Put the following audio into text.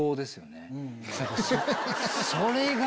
それが。